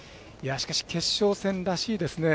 しかし、決勝戦らしいですね。